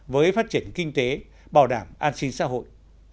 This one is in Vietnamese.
với phát triển kinh tế bảo đảm an sinh xã hội